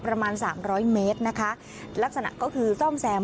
ประมาณสามร้อยเมตรนะคะลักษณะก็คือซ่อมแซม